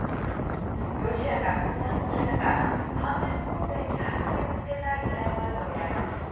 ロシアが混乱する中反転攻勢に弾みをつけたいねらいもあるとみられます。